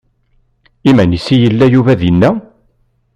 Iman-is i yella Yuba dinna?